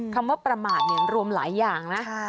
คำว่าประมาทรวมหลายอย่างนะ